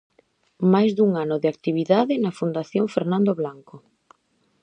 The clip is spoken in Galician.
Máis dun ano de actividade na fundación Fernando Blanco.